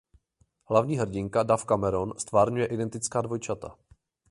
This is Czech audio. Hlavní hrdinka Dove Cameron ztvárňuje identická dvojčata.